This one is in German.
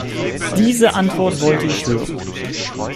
Diese Antwort wollte ich hören.